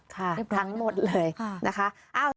ทั้งหมดเลยนะคะ